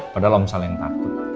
padahal omsal yang takut